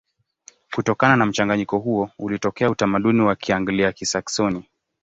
Kutokana na mchanganyiko huo ulitokea utamaduni wa Kianglia-Kisaksoni.